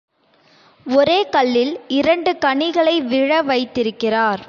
ஒரே கல்லில் இரண்டு கனிகளை விழ வைத்திருக் கிறார்.